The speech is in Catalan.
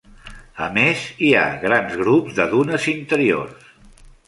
A més, hi ha grans grups de dunes interiors.